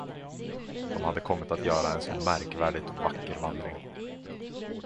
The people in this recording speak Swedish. De hade kommit att göra en så märkvärdigt vacker vandring.